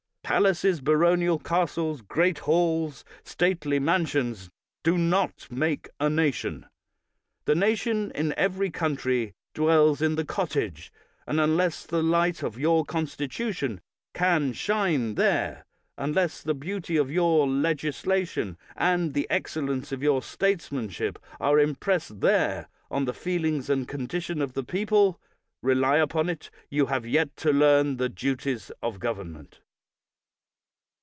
Palaces, baronial castles, great halls, stately man sions, do not make a nation. The nation in every country dwells in the cottage; and un less the light of your constitution can shine there, unless the beauty of your legislation and the excellence of your statesmanship are im pressed there on the feelings and condition of the people, rely upon it, you have yet to learn the duties of government.